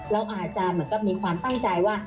เราอาจจะเหมือนกับมีความตั้งใจว่า